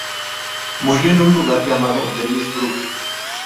Murió en un lugar llamado "Denis' brook".